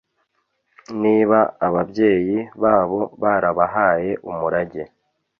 Niba ababyeyi babo barabahaye umurage